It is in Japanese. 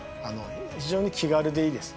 非常に気軽でいいです。